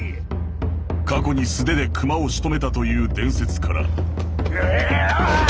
過去に素手で熊をしとめたという伝説からやぁ！